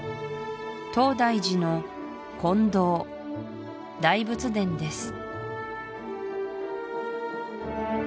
東大寺の金堂大仏殿です